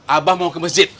abah mau ke masjid